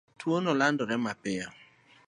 Tuwono landore mapiyo.